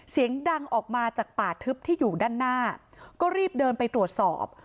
เสียงดังออกมาจากป่าทึบที่อยู่ด้านหน้าก็รีบเดินไปตรวจสอบ